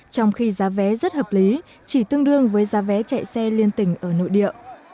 trong khi giá vé rất hợp lý chỉ tương đương với giá vé chạy xe liên tỉnh ở nội địa